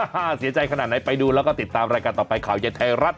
เสียใจขนาดไหนไปดูแล้วก็ติดตามรายการต่อไปข่าวเย็นไทยรัฐ